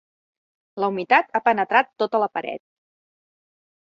La humitat ha penetrat tota la paret.